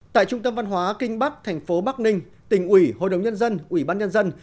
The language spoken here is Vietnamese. tại trung tâm văn hóa kinh bắc thành phố bắc ninh tỉnh ủy hội đồng nhân dân ủy ban nhân dân